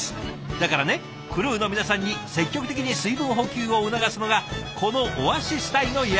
だからねクルーの皆さんに積極的に水分補給を促すのがこのオアシス隊の役目。